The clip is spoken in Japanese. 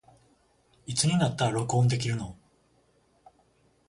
いつになったら録音できるの